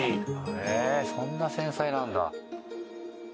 へえそんな繊細なんだ。